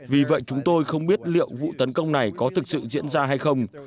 vì vậy chúng tôi không biết liệu vụ tấn công này có thực sự diễn ra hay không